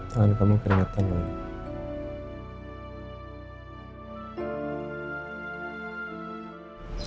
tangan kamu keringetan pak